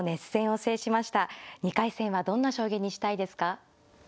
２回戦はどんな将棋にしたいですか？